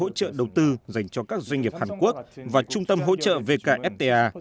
cô đã thành lập trung tâm hỗ trợ đầu tư dành cho các doanh nghiệp hàn quốc và trung tâm hỗ trợ vkfta